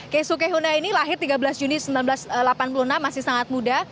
keisuke huna ini lahir tiga belas juni seribu sembilan ratus delapan puluh enam masih sangat muda